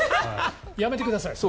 やめてください。